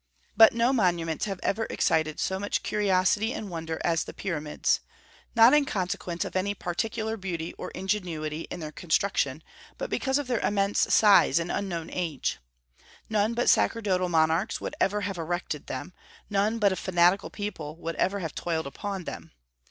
But no monuments have ever excited so much curiosity and wonder as the Pyramids, not in consequence of any particular beauty or ingenuity in their construction, but because of their immense size and unknown age. None but sacerdotal monarchs would ever have erected them; none but a fanatical people would ever have toiled upon them.